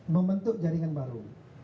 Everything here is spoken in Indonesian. membentuk jaringan baru